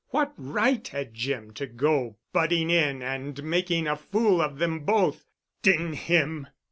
What right had Jim to go butting in and making a fool of them both! D—n him!